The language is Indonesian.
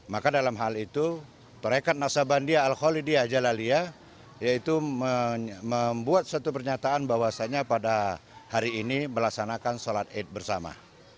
maka dalam hal itu tarekat nasabandi al holidiyah jalaliyah yaitu membuat satu pernyataan bahwasanya pada hari ini melaksanakan sholat eid bersama